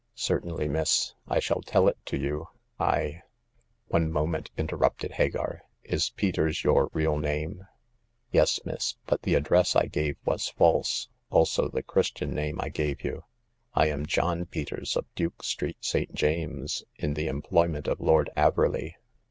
'*" Certainly, miss. I shall tell it to you. I "" One moment," interrupted Hagar. " Is Peters your real name ?"'* Yes, miss ; but the address I gave was false ; also the Christian name I gave you. I am John Peters, of Duke Street, St. James's, in the em ployment of Lord Averley."